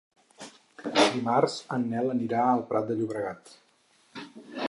Dimarts en Nel anirà al Prat de Llobregat.